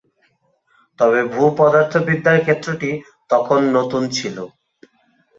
তবে ভূ-পদার্থবিদ্যার ক্ষেত্রটি তখন নতুন ছিল।